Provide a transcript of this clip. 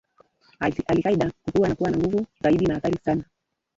al Kaida kukua na kuwa na nguvu zaidi na hatari sana